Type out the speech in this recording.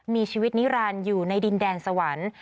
มีชีวิตนิรันดิ์อยู่ในดินแดนสวรรค์